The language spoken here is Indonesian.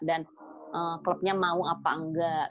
dan klubnya mau apa enggak